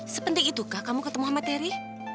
sepenting itukah kamu ketemu sama terry